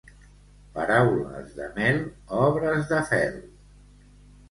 Paraules de mel, obres de fel.